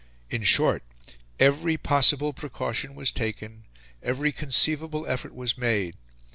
In short, every possible precaution was taken, every conceivable effort was made.